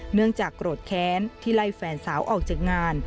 เนื่องจากโกรธแค้นที่ไล่แฟนสาวออกจากงาน